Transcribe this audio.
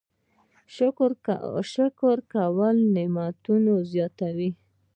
شکر کول نعمتونه زیاتوي